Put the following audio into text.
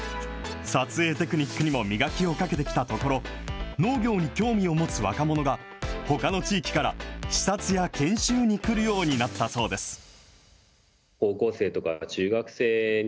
撮影テクニックにも磨きをかけてきたところ、農業に興味を持つ若者が、ほかの地域から視察や研修に来るようになったそうです。